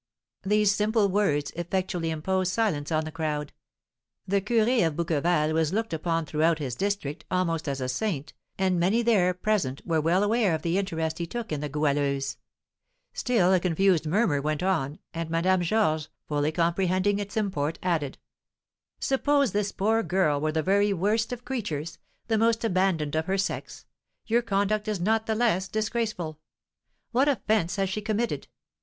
These simple words effectually imposed silence on the crowd. The curé of Bouqueval was looked upon throughout his district almost as a saint, and many there present were well aware of the interest he took in the Goualeuse. Still a confused murmur went on, and Madame Georges, fully comprehending its import, added: "Suppose this poor girl were the very worst of creatures the most abandoned of her sex your conduct is not the less disgraceful! What offence has she committed?